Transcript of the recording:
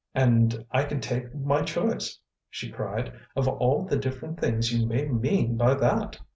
"And I can take my choice," she cried, "of all the different things you may mean by that!